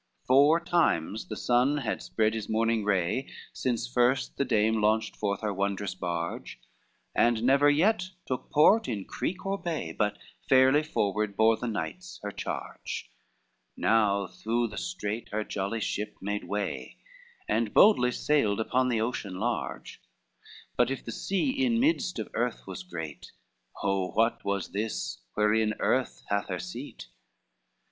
XXIII Four times the sun had spread his morning ray Since first the dame launched forth her wondrous barge And never yet took port in creek or bay, But fairly forward bore the knights her charge; Now through the strait her jolly ship made way, And boldly sailed upon the ocean large; But if the sea in midst of earth was great, Oh what was this, wherein earth hath her seat?